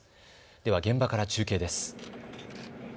では現場から中継です。